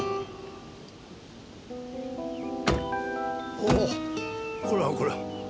おおこれはこれは。